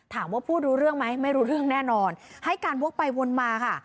พูดรู้เรื่องไหมไม่รู้เรื่องแน่นอนให้การวกไปวนมาค่ะ